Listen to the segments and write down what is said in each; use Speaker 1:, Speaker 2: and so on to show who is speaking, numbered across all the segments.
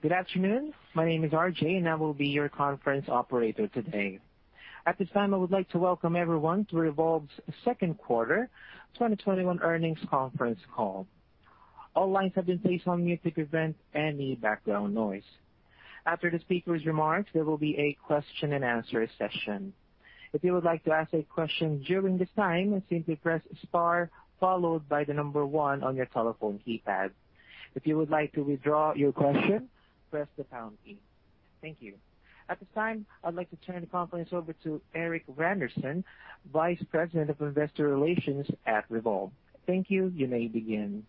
Speaker 1: Good afternoon. My name is RJ, and I will be your conference operator today. At this time, I would like to welcome everyone to Revolve's second quarter 2021 earnings conference call. All lines have been placed on mute to prevent any background noise. After the speaker's remarks, there will be a question-and-answer session. If you would like to ask a question during this time, simply press star followed by one on your telephone keypad. If you would like to withdraw your question, press the pound key. Thank you. At this time, I'd like to turn the conference over to Erik Randerson, Vice President of Investor Relations at Revolve. Thank you. You may begin.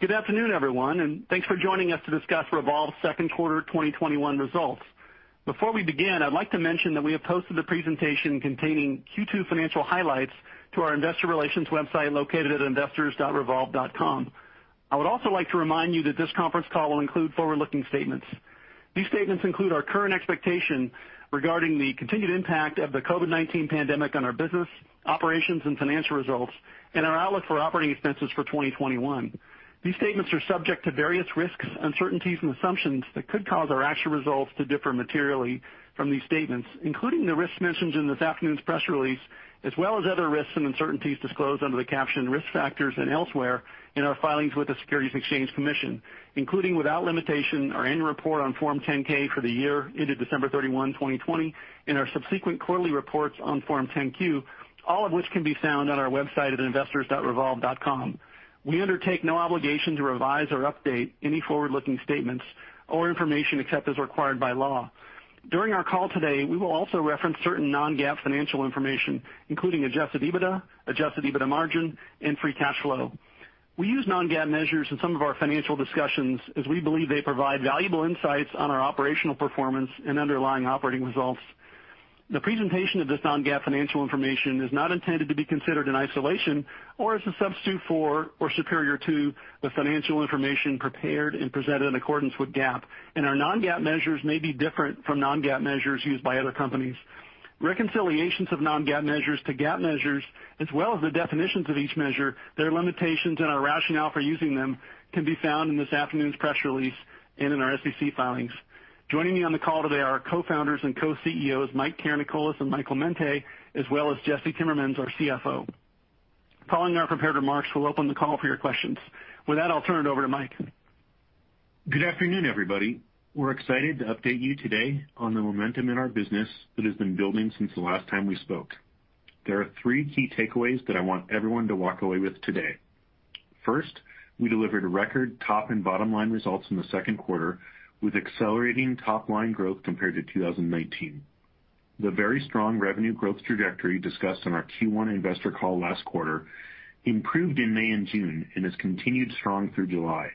Speaker 2: Good afternoon, everyone, thanks for joining us to discuss Revolve's second quarter 2021 results. Before we begin, I'd like to mention that we have posted the presentation containing Q2 financial highlights to our investor relations website, located at investors.revolve.com. I would also like to remind you that this conference call will include forward-looking statements. These statements include our current expectation regarding the continued impact of the COVID-19 pandemic on our business, operations, and financial results, and our outlook for operating expenses for 2021. These statements are subject to various risks, uncertainties, and assumptions that could cause our actual results to differ materially from these statements, including the risks mentioned in this afternoon's press release, as well as other risks and uncertainties disclosed under the caption Risk Factors and elsewhere in our filings with the Securities and Exchange Commission, including, without limitation, our annual report on Form 10-K for the year ended December 31, 2020, and our subsequent quarterly reports on Form 10-Q, all of which can be found on our website at investors.revolve.com. We undertake no obligation to revise or update any forward-looking statements or information except as required by law. During our call today, we will also reference certain non-GAAP financial information, including adjusted EBITDA, adjusted EBITDA margin, and free cash flow. We use non-GAAP measures in some of our financial discussions as we believe they provide valuable insights on our operational performance and underlying operating results. The presentation of this non-GAAP financial information is not intended to be considered in isolation or as a substitute for, or superior to, the financial information prepared and presented in accordance with GAAP, and our non-GAAP measures may be different from non-GAAP measures used by other companies. Reconciliations of non-GAAP measures to GAAP measures, as well as the definitions of each measure, their limitations, and our rationale for using them can be found in this afternoon's press release and in our SEC filings. Joining me on the call today are Co-Founders and Co-CEOs Mike Karanikolas and Michael Mente, as well as Jesse Timmermans, our CFO. Following our prepared remarks, we'll open the call for your questions. With that, I'll turn it over to Mike.
Speaker 3: Good afternoon, everybody. We're excited to update you today on the momentum in our business that has been building since the last time we spoke. There are three key takeaways that I want everyone to walk away with today. First, we delivered record top and bottom line results in the second quarter, with accelerating top-line growth compared to 2019. The very strong revenue growth trajectory discussed on our Q1 investor call last quarter improved in May and June and has continued strong through July.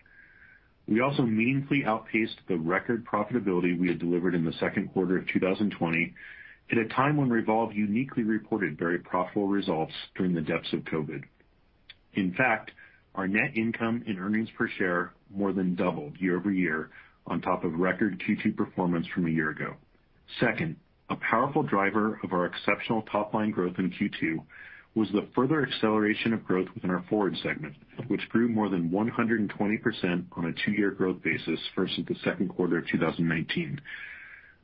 Speaker 3: We also meaningfully outpaced the record profitability we had delivered in the second quarter of 2020 at a time when Revolve uniquely reported very profitable results during the depths of COVID. In fact, our net income and earnings per share more than doubled year-over-year on top of record Q2 performance from a year ago. Second, a powerful driver of our exceptional top-line growth in Q2 was the further acceleration of growth within our FWRD segment, which grew more than 120% on a two-year growth basis versus the second quarter of 2019.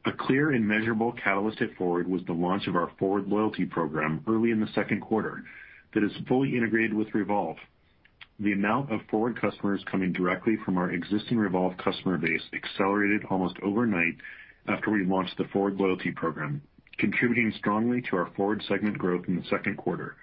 Speaker 3: A clear and measurable catalyst at FWRD was the launch of our FWRD loyalty program early in the second quarter that is fully integrated with Revolve. The amount of FWRD customers coming directly from our existing Revolve customer base accelerated almost overnight after we launched the FWRD loyalty program, contributing strongly to our FWRD segment growth in the second quarter.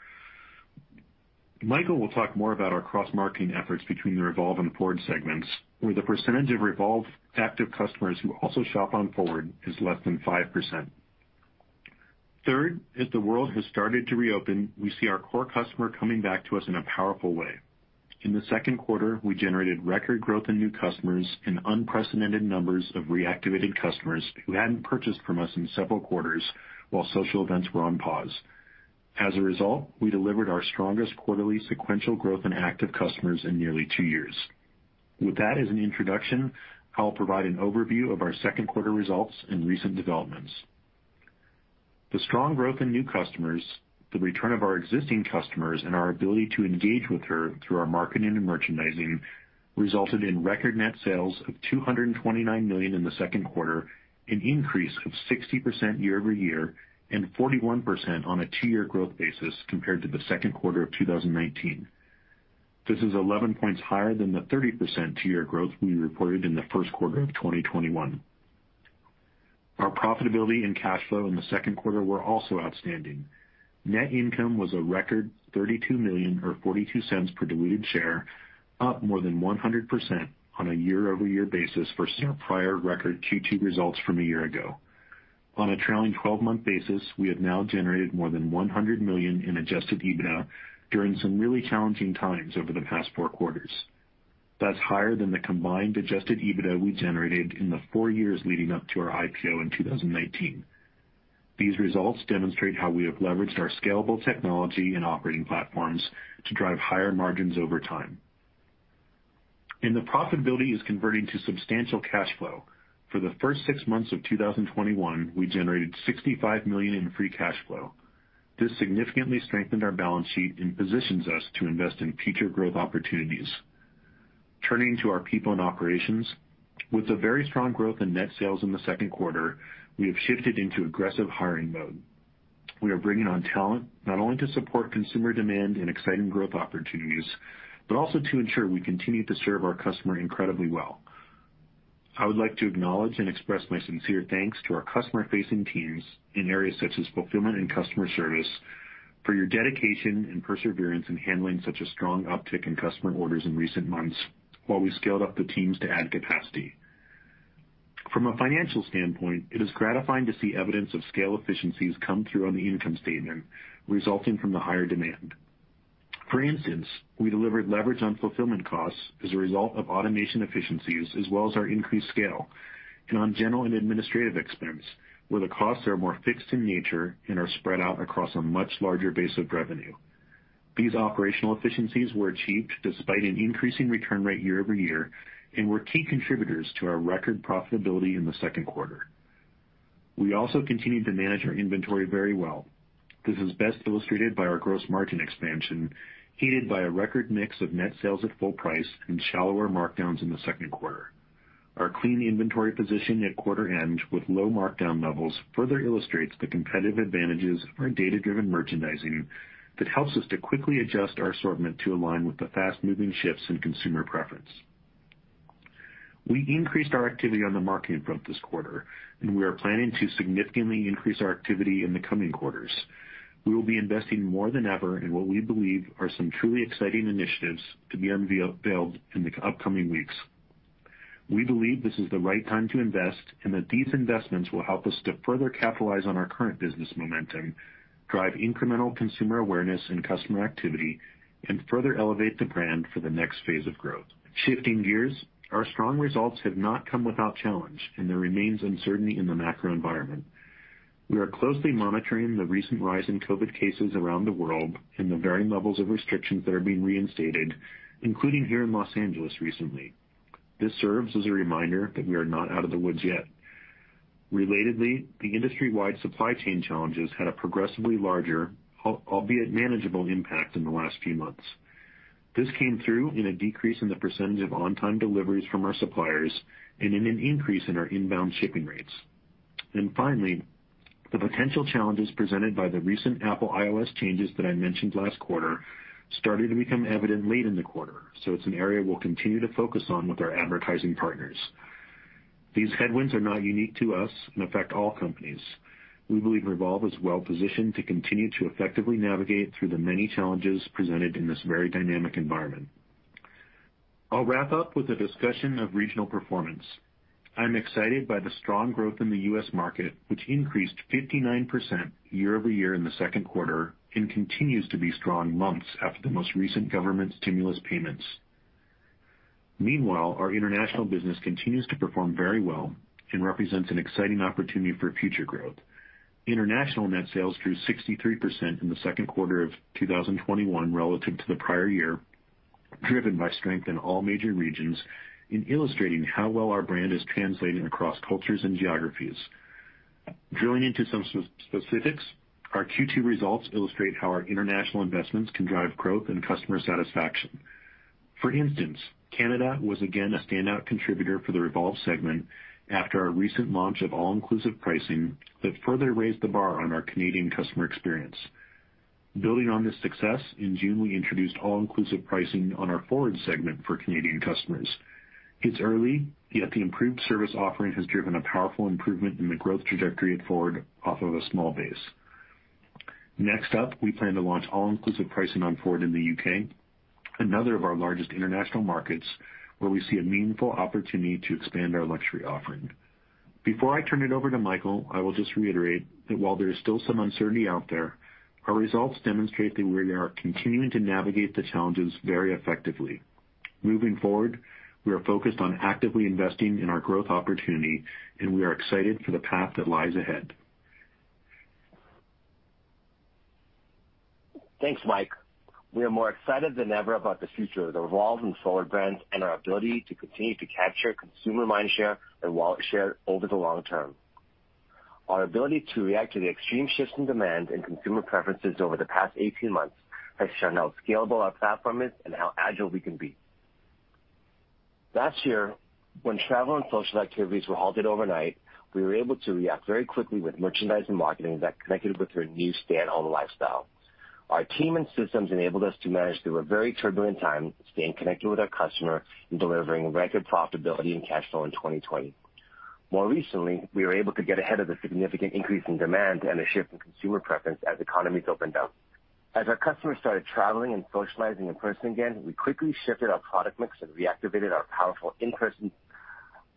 Speaker 3: Michael will talk more about our cross-marketing efforts between the Revolve and FWRD segments, where the percentage of Revolve active customers who also shop on FWRD is less than 5%. Third, as the world has started to reopen, we see our core customer coming back to us in a powerful way. In the second quarter, we generated record growth in new customers and unprecedented numbers of reactivated customers who hadn't purchased from us in several quarters while social events were on pause. As a result, we delivered our strongest quarterly sequential growth in active customers in nearly two years. With that as an introduction, I'll provide an overview of our second quarter results and recent developments. The strong growth in new customers, the return of our existing customers, and our ability to engage with her through our marketing and merchandising resulted in record net sales of $229 million in the second quarter, an increase of 60% year-over-year and 41% on a two-year growth basis compared to the second quarter of 2019. This is 11 points higher than the 30% two-year growth we reported in the first quarter of 2021. Our profitability and cash flow in the second quarter were also outstanding. Net income was a record $32 million, or $0.42 per diluted share, up more than 100% on a year-over-year basis versus our prior record Q2 results from a year ago. On a trailing 12-month basis, we have now generated more than $100 million in adjusted EBITDA during some really challenging times over the past four quarters. That's higher than the combined adjusted EBITDA we generated in the four years leading up to our IPO in 2019. These results demonstrate how we have leveraged our scalable technology and operating platforms to drive higher margins over time. The profitability is converting to substantial cash flow. For the first six months of 2021, we generated $65 million in free cash flow. This significantly strengthened our balance sheet and positions us to invest in future growth opportunities. Turning to our people and operations, with the very strong growth in net sales in the second quarter, we have shifted into aggressive hiring mode. We are bringing on talent not only to support consumer demand and exciting growth opportunities, but also to ensure we continue to serve our customer incredibly well. I would like to acknowledge and express my sincere thanks to our customer-facing teams in areas such as fulfillment and customer service for your dedication and perseverance in handling such a strong uptick in customer orders in recent months, while we scaled up the teams to add capacity. From a financial standpoint, it is gratifying to see evidence of scale efficiencies come through on the income statement resulting from the higher demand. For instance, we delivered leverage on fulfillment costs as a result of automation efficiencies as well as our increased scale, and on general and administrative expense, where the costs are more fixed in nature and are spread out across a much larger base of revenue. These operational efficiencies were achieved despite an increasing return rate year-over-year and were key contributors to our record profitability in the second quarter. We also continued to manage our inventory very well. This is best illustrated by our gross margin expansion, aided by a record mix of net sales at full price and shallower markdowns in the second quarter. Our clean inventory position at quarter end with low markdown levels further illustrates the competitive advantages of our data-driven merchandising that helps us to quickly adjust our assortment to align with the fast-moving shifts in consumer preference. We increased our activity on the marketing front this quarter. We are planning to significantly increase our activity in the coming quarters. We will be investing more than ever in what we believe are some truly exciting initiatives to be unveiled in the upcoming weeks. We believe this is the right time to invest and that these investments will help us to further capitalize on our current business momentum, drive incremental consumer awareness and customer activity, and further elevate the brand for the next phase of growth. Shifting gears, our strong results have not come without challenge. There remains uncertainty in the macro environment. We are closely monitoring the recent rise in COVID cases around the world and the varying levels of restrictions that are being reinstated, including here in Los Angeles recently. This serves as a reminder that we are not out of the woods yet. Relatedly, the industry-wide supply chain challenges had a progressively larger, albeit manageable, impact in the last few months. This came through in a decrease in the percentage of on-time deliveries from our suppliers and in an increase in our inbound shipping rates. Finally, the potential challenges presented by the recent Apple iOS changes that I mentioned last quarter started to become evident late in the quarter. It's an area we'll continue to focus on with our advertising partners. These headwinds are not unique to us and affect all companies. We believe Revolve is well positioned to continue to effectively navigate through the many challenges presented in this very dynamic environment. I'll wrap up with a discussion of regional performance. I'm excited by the strong growth in the U.S. market, which increased 59% year-over-year in the second quarter and continues to be strong months after the most recent government stimulus payments. Meanwhile, our international business continues to perform very well and represents an exciting opportunity for future growth. International net sales grew 63% in the second quarter of 2021 relative to the prior year, driven by strength in all major regions in illustrating how well our brand is translating across cultures and geographies. Drilling into some specifics, our Q2 results illustrate how our international investments can drive growth and customer satisfaction. For instance, Canada was again a standout contributor for the Revolve segment after our recent launch of all-inclusive pricing that further raised the bar on our Canadian customer experience. Building on this success, in June, we introduced all-inclusive pricing on our FWRD segment for Canadian customers. It's early, yet the improved service offering has driven a powerful improvement in the growth trajectory at FWRD off of a small base. Next up, we plan to launch all-inclusive pricing on FWRD in the U.K., another of our largest international markets, where we see a meaningful opportunity to expand our luxury offering. Before I turn it over to Michael, I will just reiterate that while there is still some uncertainty out there, our results demonstrate that we are continuing to navigate the challenges very effectively. Moving forward, we are focused on actively investing in our growth opportunity, and we are excited for the path that lies ahead.
Speaker 4: Thanks, Mike. We are more excited than ever about the future of the Revolve and FWRD brands and our ability to continue to capture consumer mind share and wallet share over the long-term. Our ability to react to the extreme shifts in demand and consumer preferences over the past 18 months has shown how scalable our platform is and how agile we can be. Last year, when travel and social activities were halted overnight, we were able to react very quickly with merchandise and marketing that connected with our new stay-at-home lifestyle. Our team and systems enabled us to manage through a very turbulent time, staying connected with our customer and delivering record profitability and cash flow in 2020. More recently, we were able to get ahead of the significant increase in demand and a shift in consumer preference as economies opened up. As our customers started traveling and socializing in person again, we quickly shifted our product mix and reactivated our powerful in-person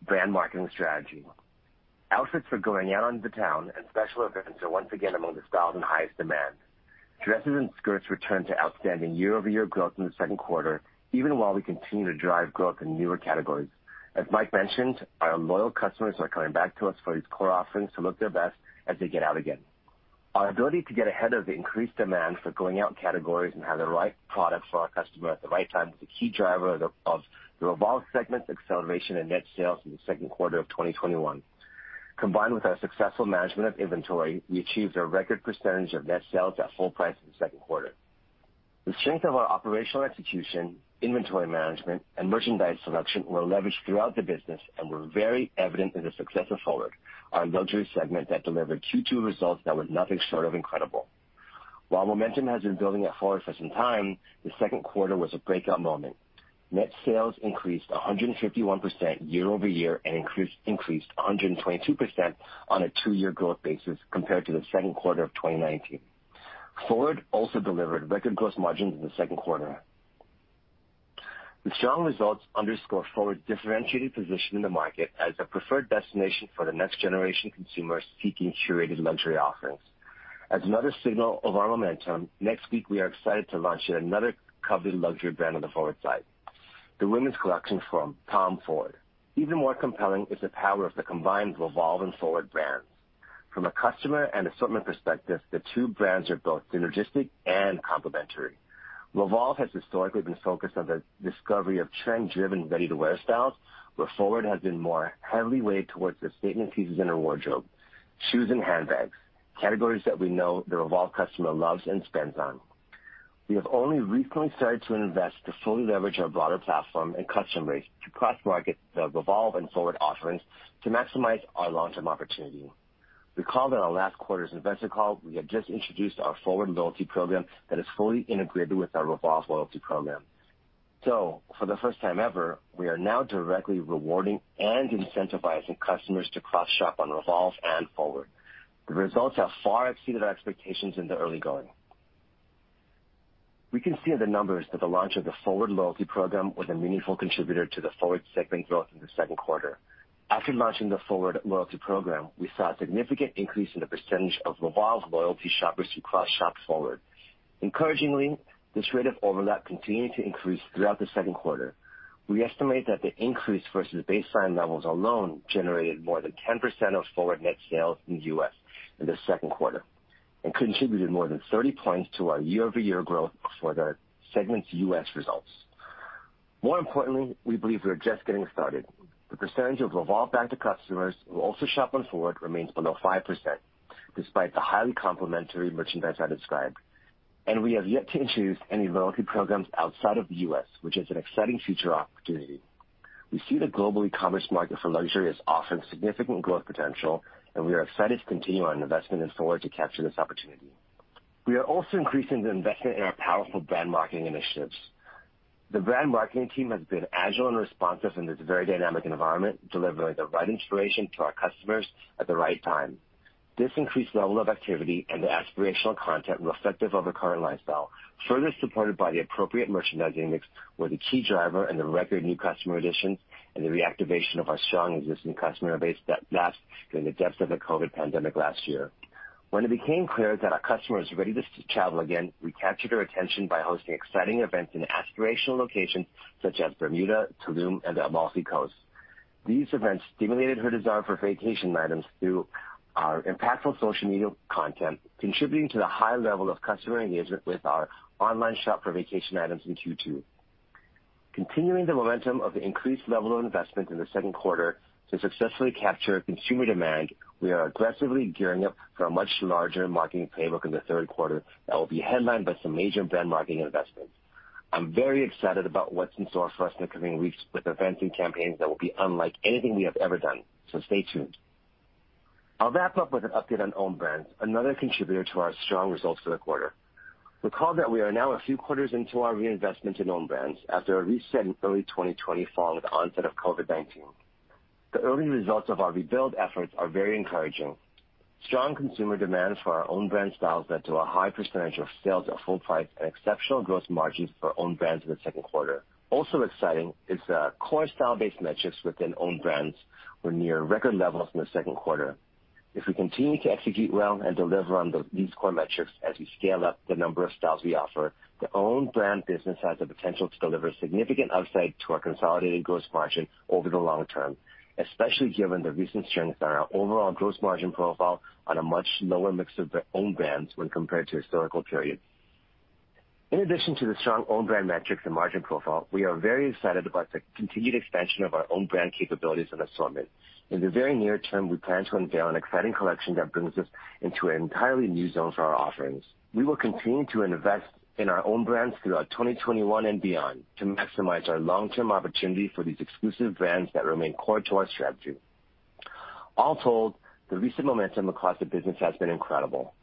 Speaker 4: brand marketing strategy. Outfits for going out on the town and special events are once again among the styles in highest demand. Dresses and skirts returned to outstanding year-over-year growth in the second quarter, even while we continue to drive growth in newer categories. As Mike mentioned, our loyal customers are coming back to us for these core offerings to look their best as they get out again. Our ability to get ahead of the increased demand for going-out categories and have the right product for our customer at the right time was a key driver of the Revolve segment's acceleration in net sales in the second quarter of 2021. Combined with our successful management of inventory, we achieved a record percentage of net sales at full price in the second quarter. The strength of our operational execution, inventory management, and merchandise selection were leveraged throughout the business and were very evident in the success of FWRD, our luxury segment that delivered Q2 results that were nothing short of incredible. While momentum has been building at FWRD for some time, the second quarter was a breakout moment. Net sales increased 151% year-over-year and increased 122% on a two-year growth basis compared to the second quarter of 2019. FWRD also delivered record gross margins in the second quarter. The strong results underscore FWRD's differentiated position in the market as a preferred destination for the next generation consumers seeking curated luxury offerings. As another signal of our momentum, next week, we are excited to launch yet another coveted luxury brand on the FWRD site, the women's collection from TOM FORD. Even more compelling is the power of the combined Revolve and FWRD brands. From a customer and assortment perspective, the two brands are both synergistic and complementary. Revolve has historically been focused on the discovery of trend-driven, ready-to-wear styles, where FWRD has been more heavily weighted towards the statement pieces in a wardrobe, shoes, and handbags. Categories that we know the Revolve customer loves and spends on. We have only recently started to invest to fully leverage our broader platform and customer base to cross-market the Revolve and FWRD offerings to maximize our long-term opportunity. Recall that on last quarter's investor call, we had just introduced our FWRD loyalty program that is fully integrated with our Revolve loyalty program. For the first time ever, we are now directly rewarding and incentivizing customers to cross-shop on Revolve and FWRD. The results have far exceeded our expectations in the early going. We can see in the numbers that the launch of the FWRD loyalty program was a meaningful contributor to the FWRD segment growth in the second quarter. After launching the FWRD loyalty program, we saw a significant increase in the percentage of Revolve loyalty shoppers who cross-shop FWRD. Encouragingly, this rate of overlap continued to increase throughout the second quarter. We estimate that the increase versus baseline levels alone generated more than 10% of FWRD net sales in the U.S. in the second quarter and contributed more than 30 points to our year-over-year growth for the segment's U.S. results. More importantly, we believe we are just getting started. The percentage of Revolve customers who also shop on FWRD remains below 5%, despite the highly complementary merchandise I described. We have yet to introduce any loyalty programs outside of the U.S., which is an exciting future opportunity. We see the global e-commerce market for luxury as offering significant growth potential. We are excited to continue our investment in FWRD to capture this opportunity. We are also increasing the investment in our powerful brand marketing initiatives. The brand marketing team has been agile and responsive in this very dynamic environment, delivering the right inspiration to our customers at the right time. This increased level of activity and the aspirational content reflective of the current lifestyle, further supported by the appropriate merchandising mix, were the key driver in the record new customer additions and the reactivation of our strong existing customer base that lapsed during the depths of the COVID pandemic last year. When it became clear that our customer is ready to travel again, we captured her attention by hosting exciting events in aspirational locations such as Bermuda, Tulum, and the Amalfi Coast. These events stimulated her desire for vacation items through our impactful social media content, contributing to the high level of customer engagement with our online shop for vacation items in Q2. Continuing the momentum of the increased level of investment in the second quarter to successfully capture consumer demand, we are aggressively gearing up for a much larger marketing playbook in the third quarter that will be headlined by some major brand marketing investments. I'm very excited about what's in store for us in the coming weeks with events and campaigns that will be unlike anything we have ever done. Stay tuned. I'll wrap up with an update on own brands, another contributor to our strong results for the quarter. Recall that we are now a few quarters into our reinvestment in own brands after a reset in early 2020 following the onset of COVID-19. The early results of our rebuild efforts are very encouraging. Strong consumer demand for our own brand styles led to a high percentage of sales at full price and exceptional gross margins for own brands in the second quarter. Also exciting is the core style-based metrics within own brands were near record levels in the second quarter. If we continue to execute well and deliver on these core metrics as we scale up the number of styles we offer, the own brand business has the potential to deliver significant upside to our consolidated gross margin over the long-term, especially given the recent strength on our overall gross margin profile on a much lower mix of own brands when compared to historical periods. In addition to the strong own brand metrics and margin profile, we are very excited about the continued expansion of our own brand capabilities and assortment. In the very near-term, we plan to unveil an exciting collection that brings us into an entirely new zone for our offerings. We will continue to invest in our own brands throughout 2021 and beyond to maximize our long-term opportunity for these exclusive brands that remain core to our strategy. All told, the recent momentum across the business has been incredible.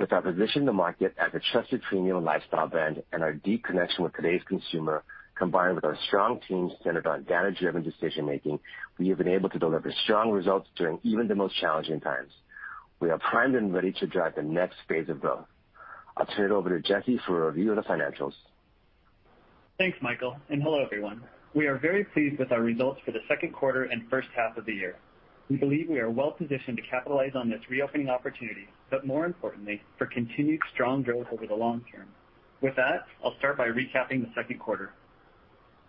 Speaker 4: With our position in the market as a trusted premium lifestyle brand and our deep connection with today's consumer, combined with our strong team centered on data-driven decision-making, we have been able to deliver strong results during even the most challenging times. We are primed and ready to drive the next phase of growth. I'll turn it over to Jesse for a review of the financials.
Speaker 5: Thanks, Michael, and hello, everyone. We are very pleased with our results for the second quarter and first half of the year. We believe we are well positioned to capitalize on this reopening opportunity, but more importantly, for continued strong growth over the long-term. With that, I'll start by recapping the second quarter.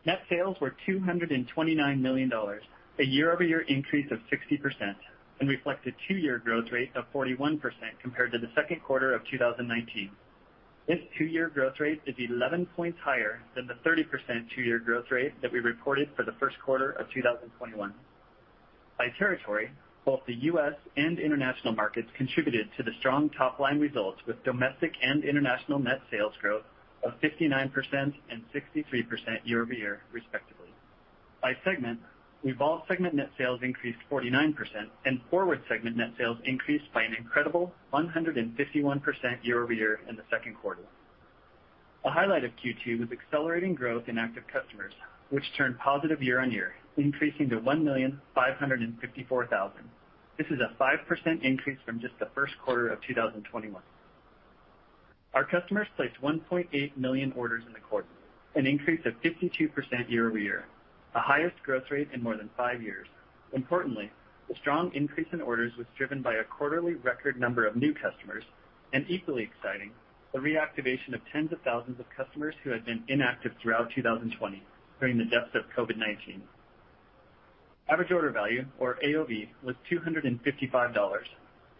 Speaker 5: Net sales were $229 million, a year-over-year increase of 60%, and reflect a two-year growth rate of 41% compared to the second quarter of 2019. This two-year growth rate is 11 points higher than the 30% two-year growth rate that we reported for the first quarter of 2021. By territory, both the U.S. and international markets contributed to the strong top-line results with domestic and international net sales growth of 59% and 63% year-over-year respectively. By segment, Revolve segment net sales increased 49%, and FWRD segment net sales increased by an incredible 151% year-over-year in the second quarter. A highlight of Q2 was accelerating growth in active customers, which turned positive year-on-year, increasing to 1,554,000. This is a 5% increase from just the first quarter of 2021. Our customers placed 1.8 million orders in the quarter, an increase of 52% year-over-year, the highest growth rate in more than five years. Importantly, the strong increase in orders was driven by a quarterly record number of new customers, and equally exciting, the reactivation of tens of thousands of customers who had been inactive throughout 2020 during the depths of COVID-19. Average order value, or AOV, was $255,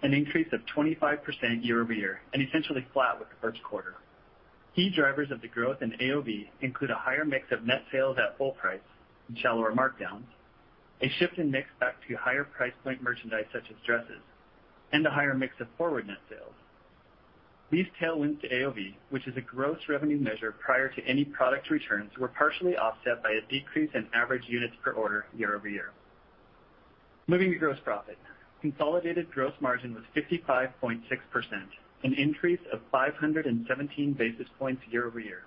Speaker 5: an increase of 25% year-over-year, and essentially flat with the first quarter. Key drivers of the growth in AOV include a higher mix of net sales at full price and shallower markdowns, a shift in mix back to higher price point merchandise such as dresses, and a higher mix of FWRD net sales. These tailwinds to AOV, which is a growth revenue measure prior to any product returns, were partially offset by a decrease in average units per order year-over-year. Moving to gross profit. Consolidated gross margin was 55.6%, an increase of 517 basis points year-over-year.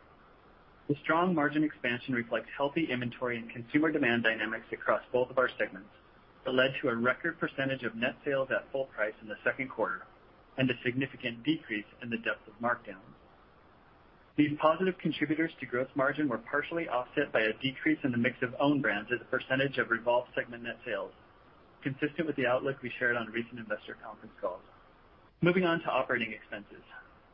Speaker 5: The strong margin expansion reflects healthy inventory and consumer demand dynamics across both of our segments that led to a record percentage of net sales at full price in the second quarter, and a significant decrease in the depth of markdowns. These positive contributors to gross margin were partially offset by a decrease in the mix of own brands as a percentage of Revolve segment net sales, consistent with the outlook we shared on recent investor conference calls. Moving on to operating expenses.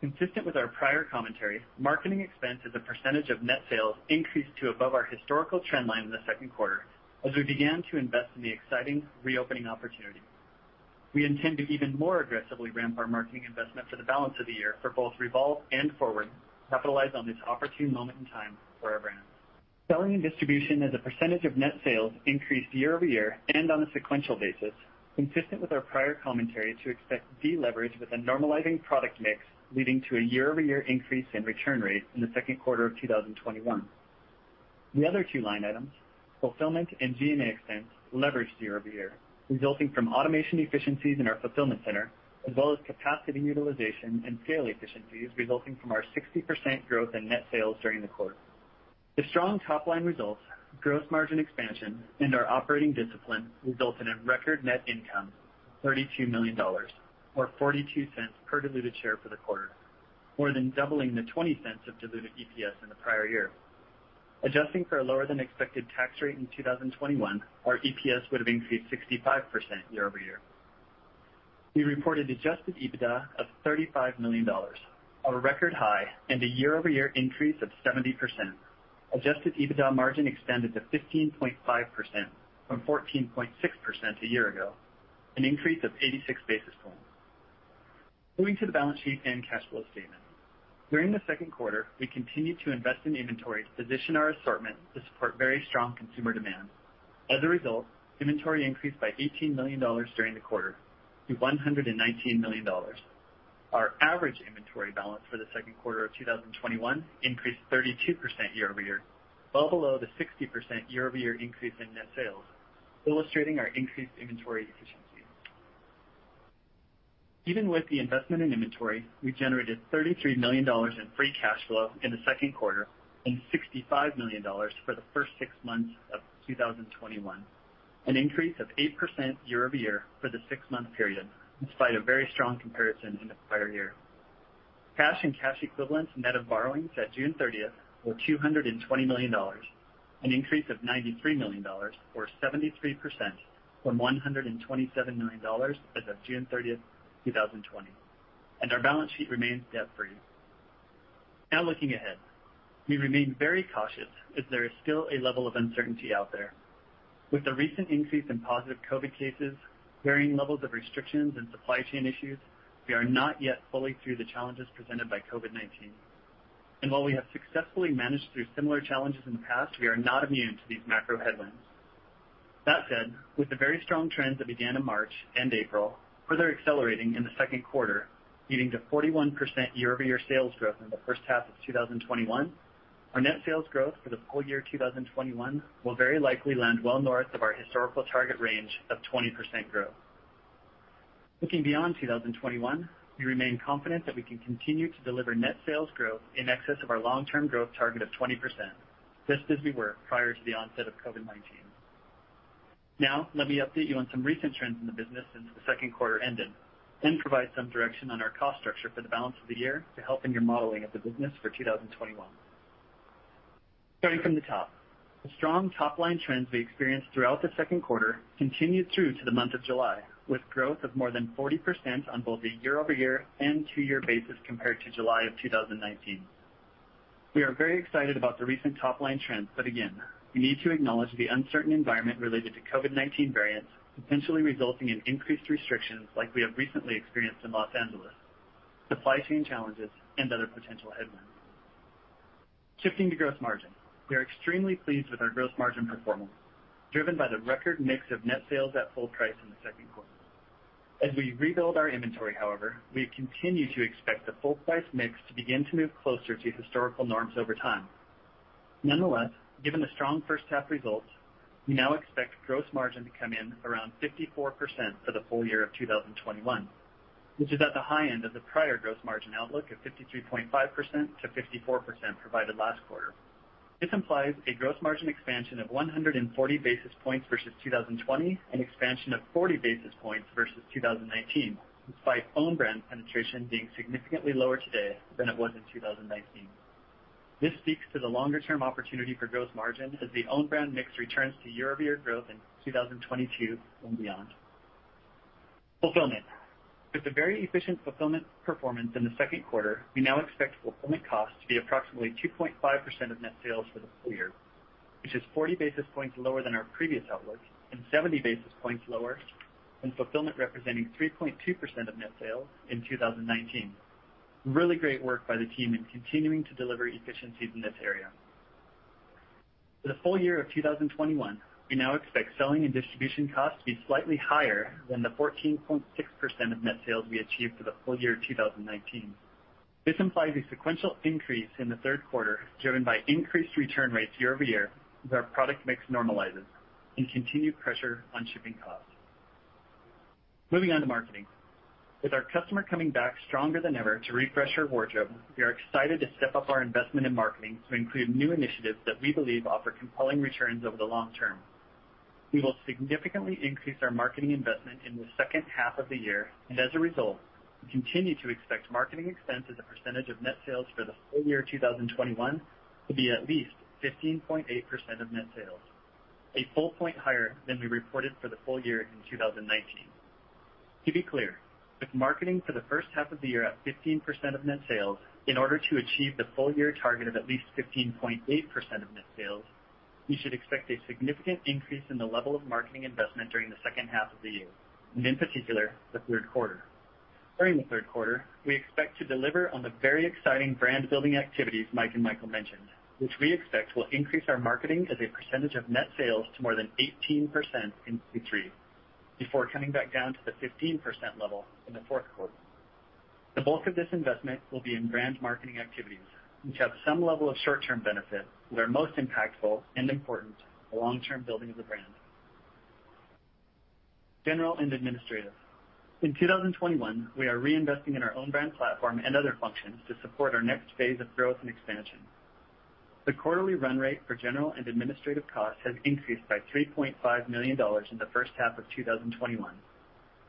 Speaker 5: Consistent with our prior commentary, marketing expense as a percentage of net sales increased to above our historical trend line in the second quarter as we began to invest in the exciting reopening opportunity. We intend to even more aggressively ramp our marketing investment for the balance of the year for both Revolve and FWRD to capitalize on this opportune moment in time for our brands. Selling and distribution as a percentage of net sales increased year-over-year and on a sequential basis, consistent with our prior commentary to expect deleverage with a normalizing product mix leading to a year-over-year increase in return rate in the second quarter of 2021. The other two line items, fulfillment and G&A expense, leveraged year-over-year, resulting from automation efficiencies in our fulfillment center, as well as capacity utilization and scale efficiencies resulting from our 60% growth in net sales during the quarter. The strong top-line results, gross margin expansion, and our operating discipline resulted in record net income, $32 million, or $0.42 per diluted share for the quarter, more than doubling the $0.20 of diluted EPS in the prior year. Adjusting for a lower than expected tax rate in 2021, our EPS would have increased 65% year-over-year. We reported adjusted EBITDA of $35 million, a record high and a year-over-year increase of 70%. Adjusted EBITDA margin expanded to 15.5% from 14.6% a year ago, an increase of 86 basis points. Moving to the balance sheet and cash flow statement. During the second quarter, we continued to invest in inventory to position our assortment to support very strong consumer demand. As a result, inventory increased by $18 million during the quarter to $119 million. Our average inventory balance for the second quarter of 2021 increased 32% year-over-year, well below the 60% year-over-year increase in net sales, illustrating our increased inventory efficiency. Even with the investment in inventory, we generated $33 million in free cash flow in the second quarter and $65 million for the first six months of 2021, an increase of 8% year-over-year for the six-month period, despite a very strong comparison in the prior year. Cash and cash equivalents net of borrowings at June 30th were $220 million, an increase of $93 million, or 73%, from $127 million as of June 30th, 2020. Our balance sheet remains debt-free. Now looking ahead, we remain very cautious as there is still a level of uncertainty out there. With the recent increase in positive COVID cases, varying levels of restrictions, and supply chain issues, we are not yet fully through the challenges presented by COVID-19. While we have successfully managed through similar challenges in the past, we are not immune to these macro headwinds. With the very strong trends that began in March and April further accelerating in the second quarter, leading to 41% year-over-year sales growth in the first half of 2021, our net sales growth for the full year 2021 will very likely land well north of our historical target range of 20% growth. Looking beyond 2021, we remain confident that we can continue to deliver net sales growth in excess of our long-term growth target of 20%, just as we were prior to the onset of COVID-19. Let me update you on some recent trends in the business since the second quarter ended, then provide some direction on our cost structure for the balance of the year to help in your modeling of the business for 2021. Starting from the top, the strong top-line trends we experienced throughout the second quarter continued through to the month of July, with growth of more than 40% on both a year-over-year and two-year basis compared to July of 2019. We are very excited about the recent top-line trends. Again, we need to acknowledge the uncertain environment related to COVID-19 variants, potentially resulting in increased restrictions like we have recently experienced in Los Angeles, supply chain challenges, and other potential headwinds. Shifting to gross margin. We are extremely pleased with our gross margin performance, driven by the record mix of net sales at full price in the second quarter. As we rebuild our inventory, however, we continue to expect the full price mix to begin to move closer to historical norms over time. Nonetheless, given the strong first half results, we now expect gross margin to come in around 54% for the full year of 2021, which is at the high end of the prior gross margin outlook of 53.5%-54% provided last quarter. This implies a gross margin expansion of 140 basis points versus 2020, an expansion of 40 basis points versus 2019, despite own brand penetration being significantly lower today than it was in 2019. This speaks to the longer-term opportunity for gross margin as the own brand mix returns to year-over-year growth in 2022 and beyond. Fulfillment. With the very efficient fulfillment performance in the second quarter, we now expect fulfillment costs to be approximately 2.5% of net sales for the full year, which is 40 basis points lower than our previous outlook, and 70 basis points lower than fulfillment representing 3.2% of net sales in 2019. Really great work by the team in continuing to deliver efficiencies in this area. For the full year of 2021, we now expect selling and distribution costs to be slightly higher than the 14.6% of net sales we achieved for the full year of 2019. This implies a sequential increase in the third quarter, driven by increased return rates year-over-year as our product mix normalizes and continued pressure on shipping costs. Moving on to marketing. With our customer coming back stronger than ever to refresh her wardrobe, we are excited to step up our investment in marketing to include new initiatives that we believe offer compelling returns over the long-term. We will significantly increase our marketing investment in the second half of the year, and as a result, we continue to expect marketing expense as a percentage of net sales for the full year 2021 to be at least 15.8% of net sales, a full point higher than we reported for the full year in 2019. To be clear, with marketing for the first half of the year at 15% of net sales, in order to achieve the full year target of at least 15.8% of net sales, we should expect a significant increase in the level of marketing investment during the second half of the year, and in particular, the third quarter. During the third quarter, we expect to deliver on the very exciting brand-building activities Mike and Michael mentioned, which we expect will increase our marketing as a percentage of net sales to more than 18% in Q3 before coming back down to the 15% level in the fourth quarter. The bulk of this investment will be in brand marketing activities, which have some level of short-term benefit, but are most impactful and important for long-term building of the brand. General and administrative. In 2021, we are reinvesting in our own brand platform and other functions to support our next phase of growth and expansion. The quarterly run rate for general and administrative costs has increased by $3.5 million in the first half of 2021,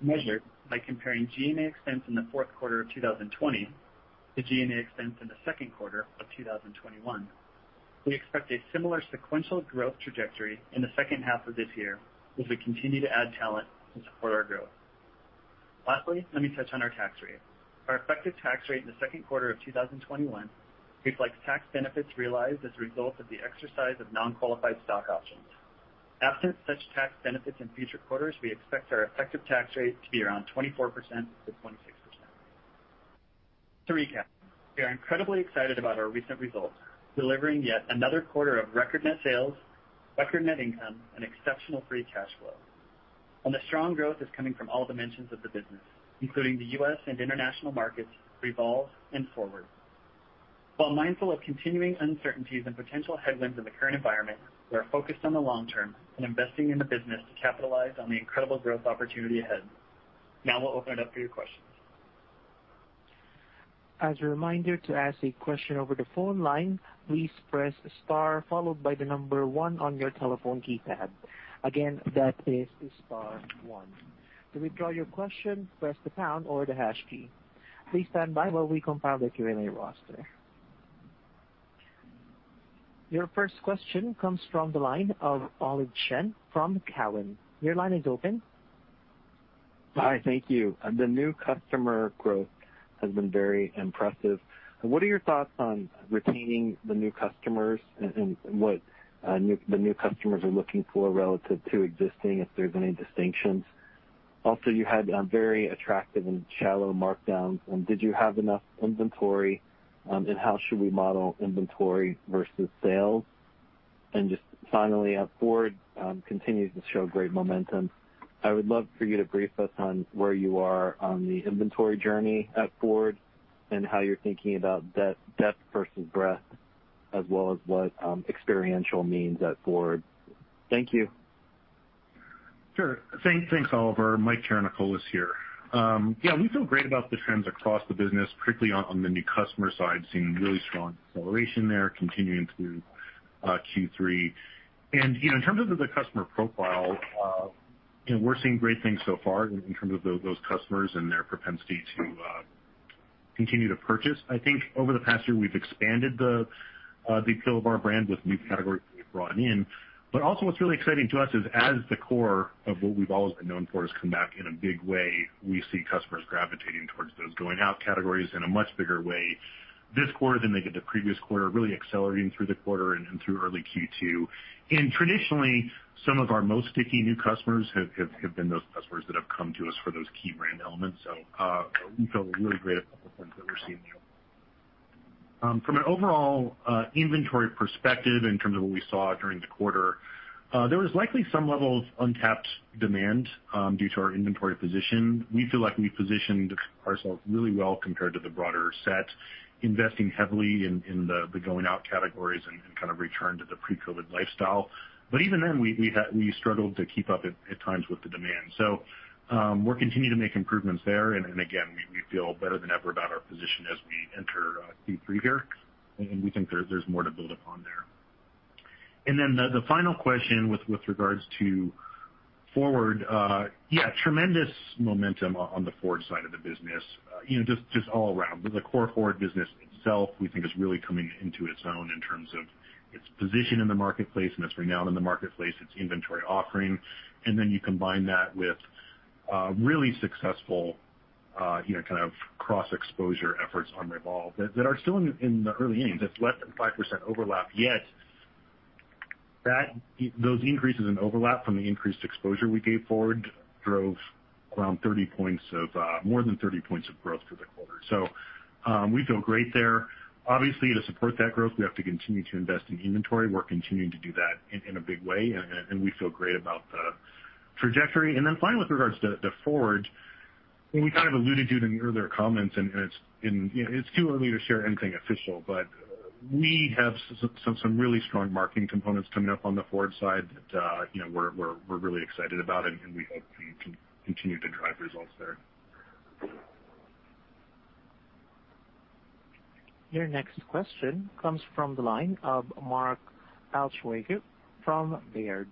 Speaker 5: measured by comparing G&A expense in the fourth quarter of 2020 to G&A expense in the second quarter of 2021. We expect a similar sequential growth trajectory in the second half of this year as we continue to add talent to support our growth. Lastly, let me touch on our tax rate. Our effective tax rate in the second quarter of 2021 reflects tax benefits realized as a result of the exercise of non-qualified stock options. Absent such tax benefits in future quarters, we expect our effective tax rate to be around 24%-26%. To recap, we are incredibly excited about our recent results, delivering yet another quarter of record net sales, record net income, and exceptional free cash flow. The strong growth is coming from all dimensions of the business, including the U.S. and international markets, Revolve and FWRD. While mindful of continuing uncertainties and potential headwinds in the current environment, we are focused on the long-term and investing in the business to capitalize on the incredible growth opportunity ahead. Now we'll open it up for your questions.
Speaker 1: Your first question comes from the line of Oliver Chen from Cowen. Your line is open.
Speaker 6: Hi, thank you. The new customer growth has been very impressive. What are your thoughts on retaining the new customers and what the new customers are looking for relative to existing, if there's any distinctions? You had very attractive and shallow markdowns. Did you have enough inventory, and how should we model inventory versus sales? Just finally, FWRD continues to show great momentum. I would love for you to brief us on where you are on the inventory journey at FWRD and how you're thinking about depth versus breadth, as well as what experiential means at FWRD. Thank you.
Speaker 3: Sure. Thanks, Oliver. Mike Karanikolas here. Yeah, we feel great about the trends across the business, particularly on the new customer side, seeing really strong acceleration there continuing through Q3. In terms of the customer profile, we're seeing great things so far in terms of those customers and their propensity to continue to purchase. I think over the past year, we've expanded the appeal of our brand with new categories that we've brought in. Also what's really exciting to us is as the core of what we've always been known for has come back in a big way, we see customers gravitating towards those going out categories in a much bigger way this quarter than they did the previous quarter, really accelerating through the quarter and through early Q2. Traditionally, some of our most sticky new customers have been those customers that have come to us for those key brand elements. We feel really great about the trends that we're seeing there. From an overall inventory perspective in terms of what we saw during the quarter, there was likely some level of untapped demand due to our inventory position. We feel like we positioned ourselves really well compared to the broader set, investing heavily in the going out categories and kind of return to the pre-COVID lifestyle. Even then, we struggled to keep up at times with the demand. We'll continue to make improvements there. Again, we feel better than ever about our position as we enter Q3 here, and we think there's more to build upon there. The final question with regards to FWRD. Yeah, tremendous momentum on the FWRD side of the business, just all around. The core FWRD business itself, we think is really coming into its own in terms of its position in the marketplace and its renown in the marketplace, its inventory offering. You combine that with really successful kind of cross-exposure efforts on Revolve that are still in the early innings. It's less than 5% overlap, yet those increases in overlap from the increased exposure we gave FWRD drove more than 30 points of growth for the quarter. We feel great there. Obviously, to support that growth, we have to continue to invest in inventory. We're continuing to do that in a big way, and we feel great about the trajectory. Finally, with regards to FWRD, we kind of alluded to it in the earlier comments, and it's too early to share anything official, but we have some really strong marketing components coming up on the FWRD side that we're really excited about, and we hope we can continue to drive results there.
Speaker 1: Your next question comes from the line of Mark Altschwager from Baird.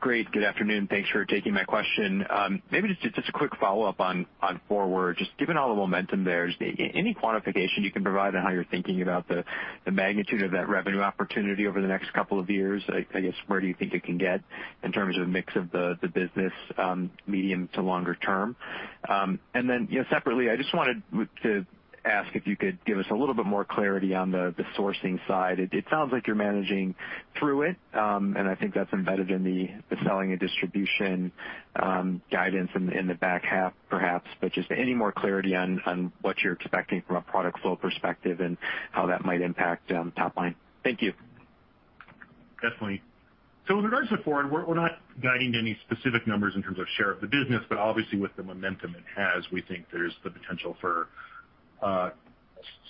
Speaker 7: Great. Good afternoon. Thanks for taking my question. Maybe just a quick follow-up on FWRD. Just given all the momentum there, is there any quantification you can provide on how you're thinking about the magnitude of that revenue opportunity over the next couple of years? I guess, where do you think it can get in terms of mix of the business, medium to longer-term? Separately, I just wanted to ask if you could give us a little bit more clarity on the sourcing side. It sounds like you're managing through it, and I think that's embedded in the selling and distribution guidance in the back half, perhaps, but just any more clarity on what you're expecting from a product flow perspective and how that might impact top line. Thank you.
Speaker 3: Definitely. With regards to FWRD, we're not guiding to any specific numbers in terms of share of the business, but obviously with the momentum it has, we think there's the potential for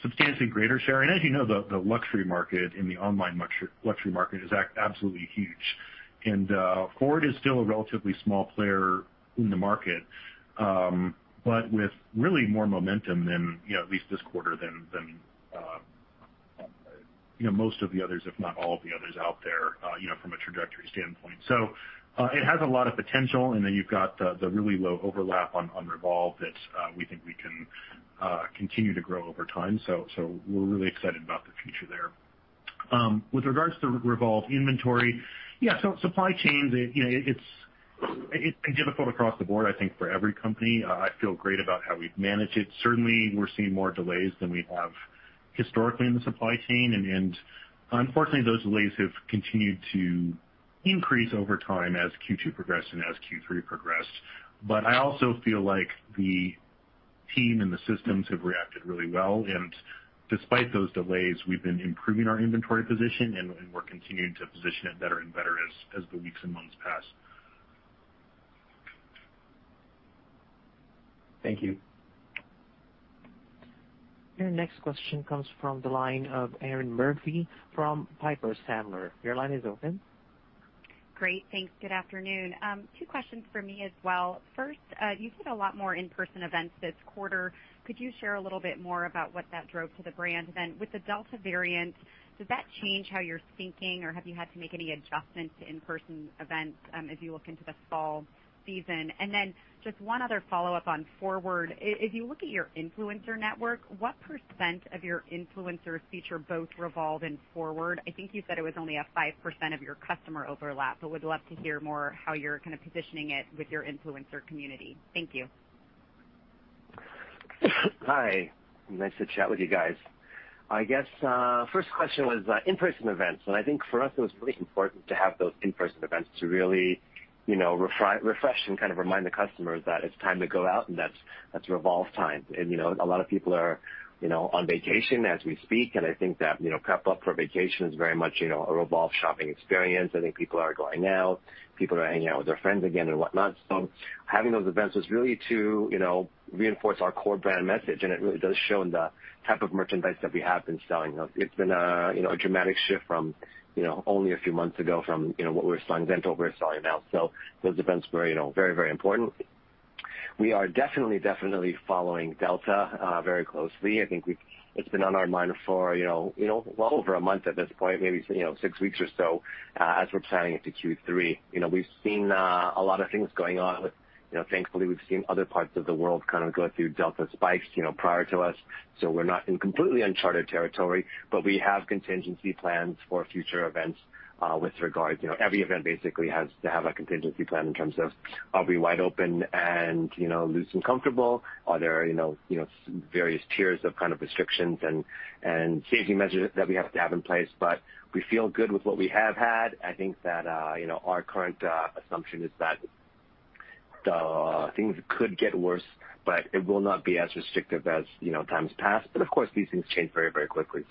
Speaker 3: substantially greater share. As you know, the luxury market and the online luxury market is absolutely huge. FWRD is still a relatively small player in the market, but with really more momentum, at least this quarter, than most of the others, if not all of the others out there from a trajectory standpoint. It has a lot of potential, and then you've got the really low overlap on Revolve that we think we can continue to grow over time. We're really excited about the future there. With regards to Revolve inventory, yeah, supply chains, it's a difficult across the board, I think, for every company. I feel great about how we've managed it. Certainly, we're seeing more delays than we have historically in the supply chain. Unfortunately, those delays have continued to increase over time as Q2 progressed and as Q3 progressed. I also feel like the team and the systems have reacted really well, and despite those delays, we've been improving our inventory position, and we're continuing to position it better and better as the weeks and months pass.
Speaker 7: Thank you.
Speaker 1: Your next question comes from the line of Erinn Murphy from Piper Sandler. Your line is open.
Speaker 8: Great. Thanks. Good afternoon. Two questions for me as well. First, you've had a lot more in-person events this quarter. Could you share a little bit more about what that drove to the brand? With the Delta variant, does that change how you're thinking, or have you had to make any adjustments to in-person events as you look into the fall season? Just one other follow-up on FWRD. If you look at your influencer network, what percent of your influencers feature both Revolve and FWRD? I think you said it was only a 5% of your customer overlap, but would love to hear more how you're kind of positioning it with your influencer community. Thank you.
Speaker 4: Hi. Nice to chat with you guys. I guess, first question was in-person events. I think for us, it was really important to have those in-person events to really refresh and kind of remind the customers that it's time to go out and that's Revolve time. A lot of people are on vacation as we speak. I think that prep up for vacation is very much a Revolve shopping experience. I think people are going out. People are hanging out with their friends again and whatnot. Having those events was really to reinforce our core brand message. It really does show in the type of merchandise that we have been selling. It's been a dramatic shift from only a few months ago from what we were selling then to what we're selling now. Those events were very important. We are definitely following Delta very closely. I think it's been on our mind for well over a month at this point, maybe six weeks or so as we're planning into Q3. We've seen a lot of things going on. Thankfully, we've seen other parts of the world kind of go through Delta spikes prior to us, so we're not in completely uncharted territory, but we have contingency plans for future events. Every event basically has to have a contingency plan in terms of are we wide open and loose and comfortable? Are there various tiers of kind of restrictions and safety measures that we have to have in place? We feel good with what we have had. I think that our current assumption is that. Things could get worse, it will not be as restrictive as times past. Of course, these things change very quickly.